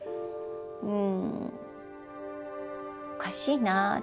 うんおかしいなって。